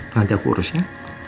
nanti aku urus ya